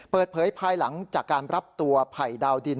ภายหลังจากการรับตัวไผ่ดาวดิน